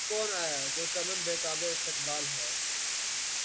کون آیا‘ جو چمن بے تابِ استقبال ہے!